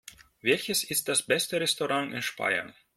Welches ist das beste Restaurant in Speyer?